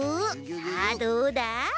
さあどうだ？